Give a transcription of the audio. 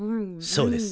そうです